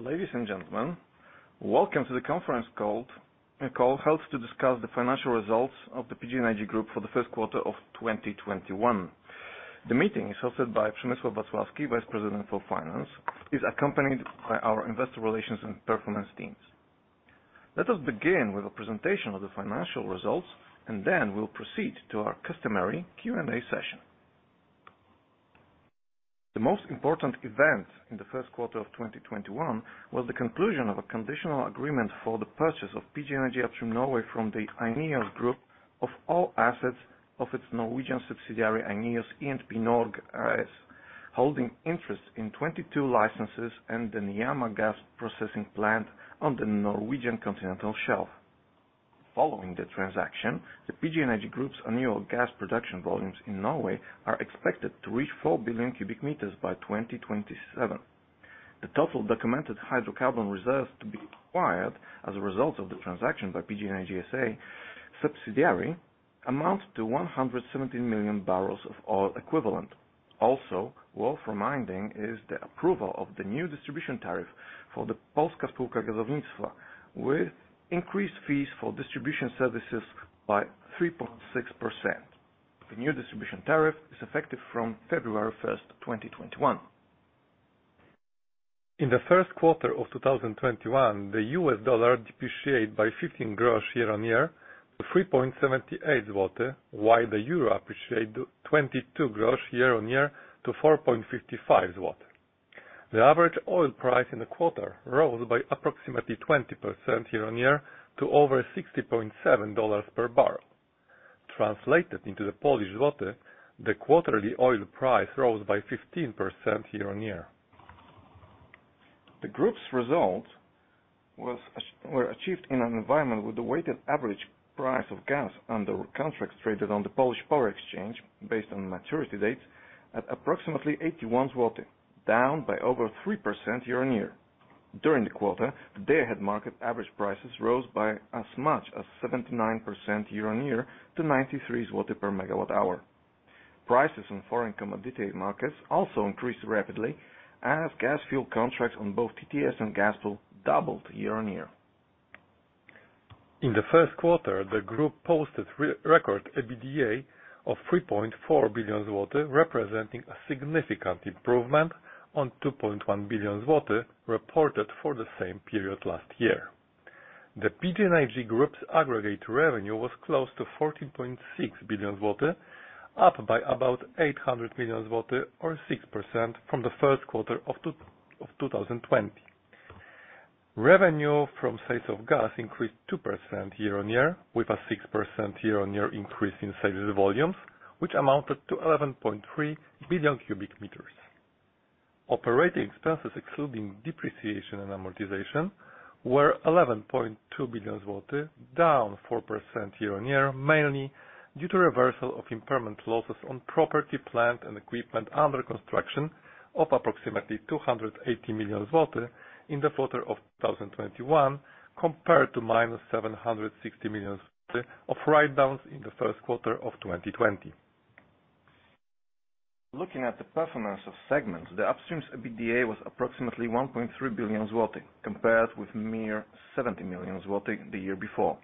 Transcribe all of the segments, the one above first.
Ladies and gentlemen, welcome to the conference call held to discuss the financial results of the PGNiG Group for the first quarter of 2021. The meeting is hosted by Przemysław Wacławski, Vice President for Finance, is accompanied by our investor relations and performance teams. Let us begin with a presentation of the financial results, and then we'll proceed to our customary Q&A session. The most important event in the first quarter of 2021 was the conclusion of a conditional agreement for the purchase of PGNiG Upstream Norway from the INEOS Group of all assets of its Norwegian subsidiary, INEOS E&P Norge AS, holding interest in 22 licenses and the Nyhamna gas processing plant on the Norwegian continental shelf. Following the transaction, the PGNiG Group's annual gas production volumes in Norway are expected to reach 4 billion cu m by 2027. The total documented hydrocarbon reserves to be acquired as a result of the transaction by PGNiG S.A. subsidiary amount to 117 million bbl of oil equivalent. Also worth reminding is the approval of the new distribution tariff for the Polska Spółka Gazownictwa, with increased fees for distribution services by 3.6%. The new distribution tariff is effective from February 1st, 2021. In the first quarter of 2021, the US dollar depreciated by 15 groszy year-on-year to 3.78 zloty, while the euro appreciated to 22 groszy year-on-year to 4.55 zloty.. The average oil price in the quarter rose by approximately 20% year-on-year to over $60.7 per bbl. Translated into the Polish złoty, the quarterly oil price rose by 15% year-on-year. The group's results were achieved in an environment with a weighted average price of gas under contracts traded on the Polish Power Exchange based on maturity dates at approximately 81, down by over 3% year-on-year. During the quarter, the day-ahead market average prices rose by as much as 79% year-on-year to 93 per MWh. Prices on foreign commodity markets also increased rapidly as gas fuel contracts on both TTF and GASPOOL doubled year-on-year. In the first quarter, the group posted record EBITDA of 3.4 billion zloty, representing a significant improvement on 2.1 billion zloty reported for the same period last year. The PGNiG Group's aggregate revenue was close to 14.6 billion zloty, up by about 800 million zloty or 6% from the first quarter of 2020. Revenue from sales of gas increased 2% year-on-year, with a 6% year-on-year increase in sales volumes, which amounted to 11.3 billion cu m. Operating expenses, excluding depreciation and amortization, were 11.2 billion, down 4% year-on-year, mainly due to reversal of impairment losses on property, plant and equipment under construction of approximately 280 million zloty in the quarter of 2021, compared to -760 million zloty of write-downs in the first quarter of 2020. Looking at the performance of segments, the Upstream's EBITDA was approximately 1.3 billion zlotys compared with mere 70 million zlotys the year before.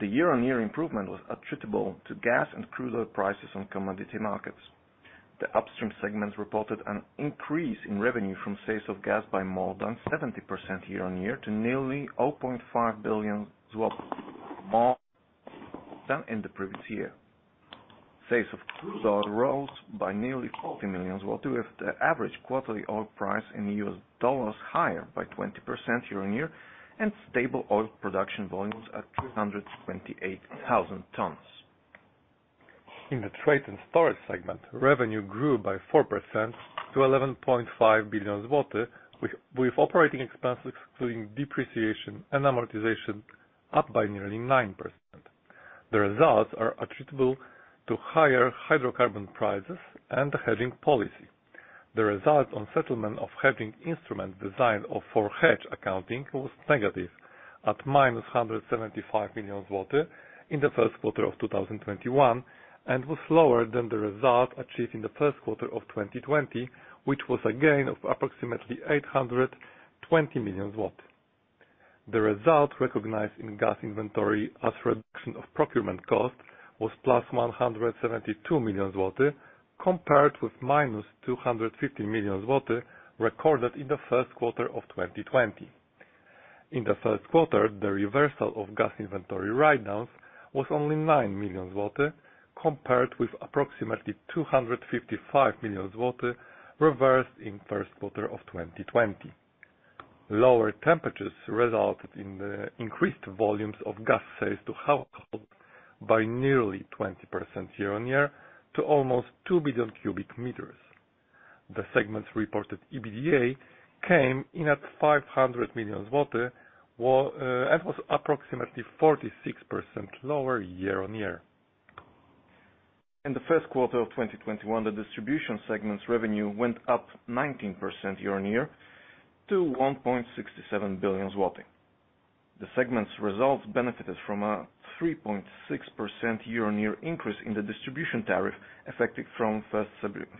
The year-on-year improvement was attributable to gas and crude oil prices on commodity markets. The Upstream segment reported an increase in revenue from sales of gas by more than 70% year-on-year to nearly 0.5 billion more than in the previous year. Sales of crude oil rose by nearly 40 million, with the average quarterly oil price in U.S. dollars higher by 20% year-on-year and stable oil production volumes at 228,000 tons. In the Trade & Storage segment, revenue grew by 4% to 11.5 billion zlotys, with operating expenses, including depreciation and amortization, up by nearly 9%. The results are attributable to higher hydrocarbon prices and the hedging policy. The result on settlement of hedging instruments designed for hedge accounting was negative at -175 million in the first quarter of 2021, was lower than the result achieved in the first quarter of 2020, which was a gain of approximately 820 million. The result recognized in gas inventory as reduction of procurement cost was +172 million zloty compared with -250 million zloty recorded in the first quarter of 2020. In the first quarter, the reversal of gas inventory write-downs was only 9 million zloty, compared with approximately 255 million zloty reversed in first quarter of 2020. Lower temperatures resulted in the increased volumes of gas sales to households by nearly 20% year-on-year to almost 2 billion cu m. The segment's reported EBITDA came in at 500 million zloty, and was approximately 46% lower year-on-year. In the first quarter of 2021, the Distribution segment's revenue went up 19% year-on-year to 1.67 billion zloty. The segment's results benefited from a 3.6% year-on-year increase in the distribution tariff, effective from first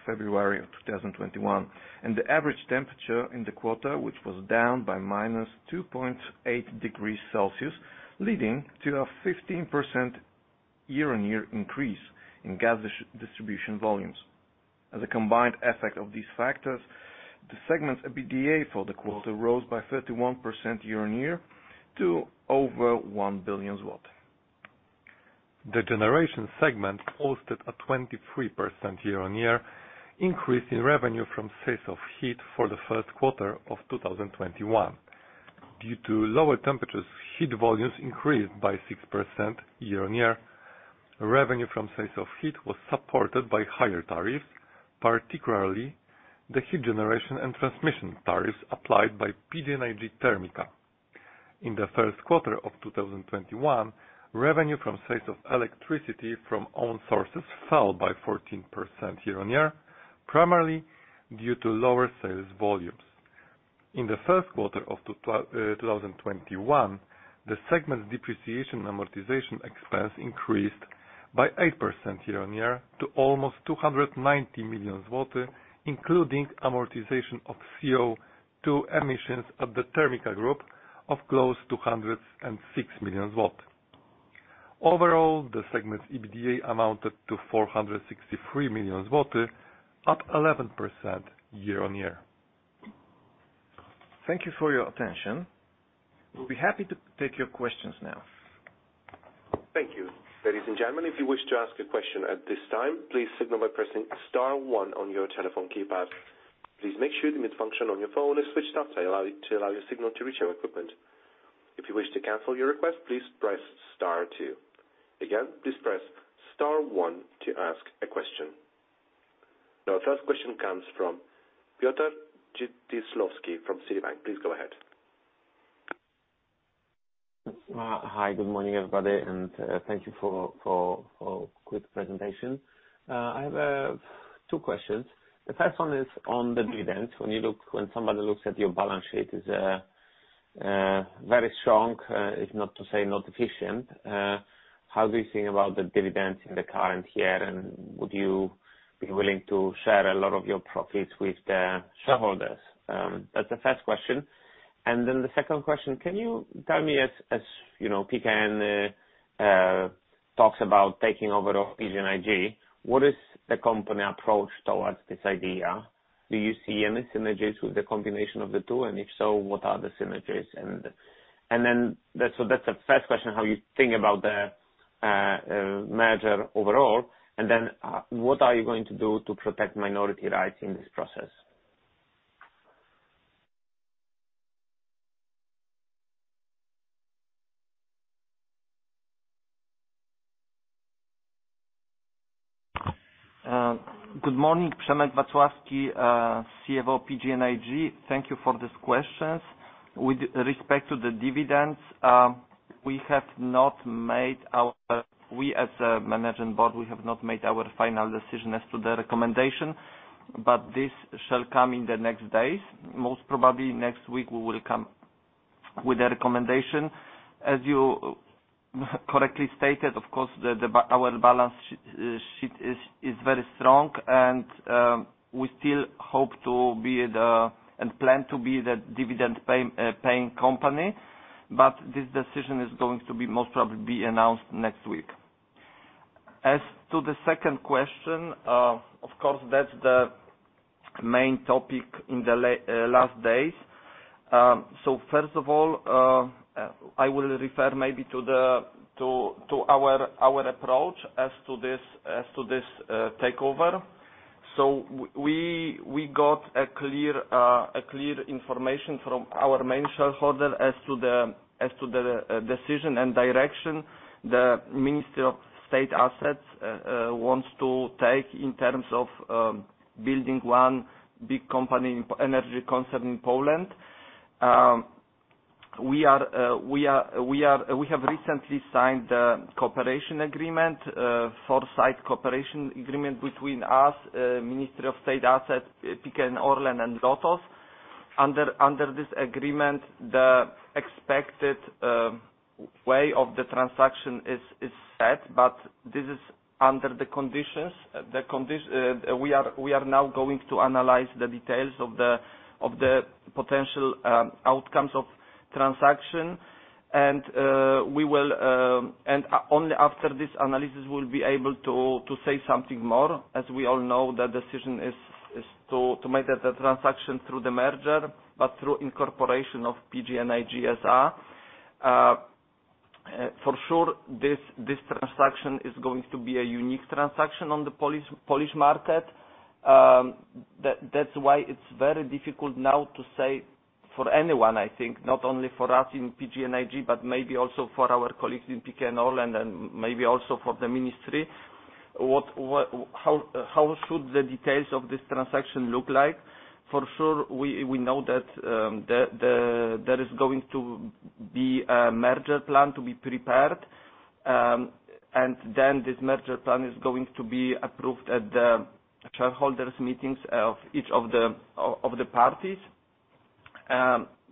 February of 2021, and the average temperature in the quarter, which was down by -2.8 degrees Celsius, leading to a 15% year-on-year increase in gas distribution volumes. As a combined effect of these factors, the segment's EBITDA for the quarter rose by 31% year-on-year to over 1 billion. The generation segment posted a 23% year-on-year increase in revenue from sales of heat for the first quarter of 2021. Due to lower temperatures, heat volumes increased by 6% year-on-year. Revenue from sales of heat was supported by higher tariffs, particularly the heat generation and transmission tariffs applied by PGNiG TERMIKA. In the first quarter of 2021, revenue from sales of electricity from own sources fell by 14% year-on-year, primarily due to lower sales volumes. In the first quarter of 2021, the segment's depreciation amortization expense increased by 8% year-on-year to almost 290 million zloty, including amortization of CO2 emissions at the TERMIKA Group of close to 206 million. Overall, the segment's EBITDA amounted to 463 million, up 11% year-on-year. Thank you for your attention. We'll be happy to take your questions now. Thank you. Ladies and gentlemen, if you wish to ask a question at this time, please signal by pressing star one on your telephone keypad. Please make sure the mute function on your phone is switched off to allow your signal to reach our equipment. If you wish to cancel your request, please press star two. Again, please press star one to ask a question. Our first question comes from Piotr Dzięciołowski from Citibank. Please go ahead. Hi, good morning, everybody, thank you for a quick presentation. I have two questions. The first one is on the dividends. When somebody looks at your balance sheet is very strong, it's not to say not efficient. How do you think about the dividends in the current year, and would you be willing to share a lot of your profits with the shareholders? That's the first question. And then the second question, can you tell me, as PKN talks about taking over PGNiG, what is the company approach towards this idea? Do you see any synergies with the combination of the two, and if so, what are the synergies? That's the first question, how you think about the merger overall, and then what are you going to do to protect minority rights in this process? Good morning, Przemek Wacławski, CFO, PGNiG. Thank you for these questions. With respect to the dividends, we as a management board have not made our final decision as to the recommendation, but this shall come in the next days. Most probably, next week, we will come with a recommendation. As you correctly stated, of course, our balance sheet is very strong, and we still hope and plan to be the dividend-paying company, but this decision is going to most probably be announced next week. As to the second question, of course, that's the main topic in the last days. First of all, I will refer maybe to our approach as to this takeover. We got clear information from our main shareholder as to the decision and direction the Ministry of State Assets wants to take in terms of building one big company energy concept in Poland. We are, we have recently signed the cooperation agreement, four-side cooperation agreement between us, Ministry of State Assets, PKN ORLEN, and LOTOS. Under this agreement, the expected way of the transaction is set, but this is under the conditions. We are now going to analyze the details of the potential outcomes of transaction, and only after this analysis, we'll be able to say something more. As we all know, the decision is to make the transaction through the merger, but through incorporation of PGNiG S.A. For sure, this transaction is going to be a unique transaction on the Polish market. That's why it's very difficult now to say for anyone, I think, not only for us in PGNiG, but maybe also for our colleagues in PKN ORLEN, and maybe also for the Ministry, how should the details of this transaction look like. For sure, we know that there is going to be a merger plan to be prepared. This merger plan is going to be approved at the shareholders meetings of each of the parties.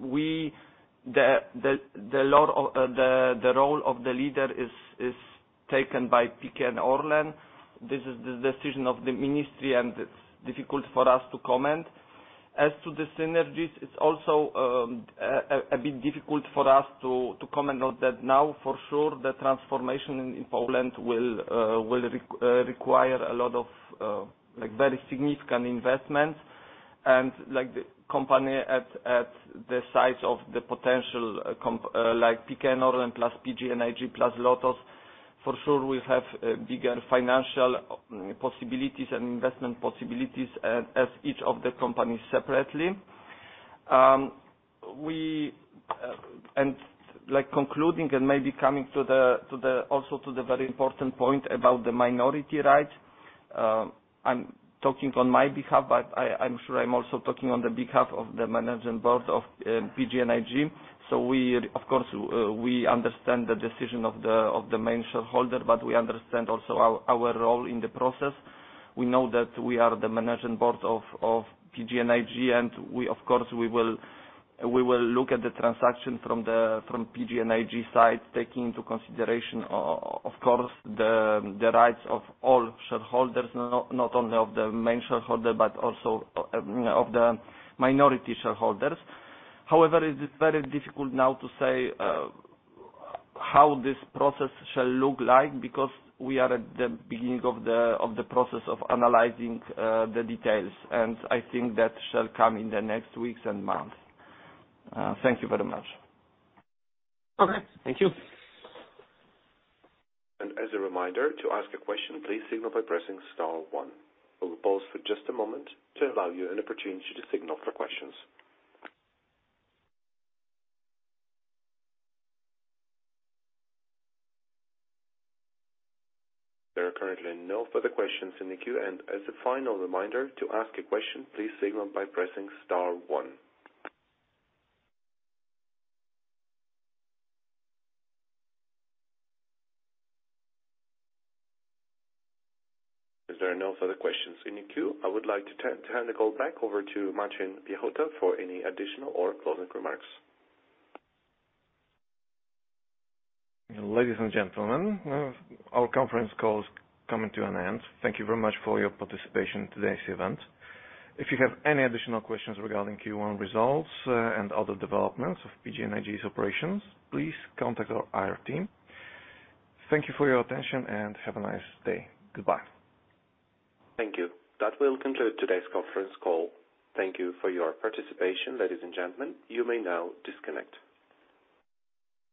We, the role of the leader is taken by PKN ORLEN. This is the decision of the Ministry, and it's difficult for us to comment. As to the synergies, it's also a bit difficult for us to comment on that now. For sure, the transformation in Poland will require a lot of very significant investments, and the company at the size of the potential, like PKN ORLEN plus PGNiG plus LOTOS, for sure will have bigger financial possibilities and investment possibilities as each of the companies separately. We- concluding and maybe coming also to the very important point about the minority rights. I'm talking on my behalf, but I'm sure I'm also talking on the behalf of the managing board of PGNiG. Of course, we understand the decision of the main shareholder, but we understand also our role in the process. We know that we are the managing board of PGNiG, and of course, we will look at the transaction from PGNiG side, taking into consideration, of course, the rights of all shareholders, not only of the main shareholder, but also of the minority shareholders. However, it is very difficult now to say how this process shall look like because we are at the beginning of the process of analyzing the details, and I think that shall come in the next weeks and months. Thank you very much. Okay. Thank you. And as a reminder, to ask a question, please signal by pressing star one. We will pause for just a moment to allow everyone an opportunity to signal for questions. There are currently no further questions in the queue, and as a final reminder, to ask a question, please signal by pressing star one. As there are no further questions in the queue, I would like to hand the call back over to Marcin Piechota for any additional or closing remarks. Ladies and gentlemen, our conference call is coming to an end. Thank you very much for your participation in today's event. If you have any additional questions regarding Q1 results and other developments of PGNiG's operations, please contact our IR team. Thank you for your attention and have a nice day. Goodbye. Thank you. That will conclude today's conference call. Thank you for your participation, ladies and gentlemen. You may now disconnect.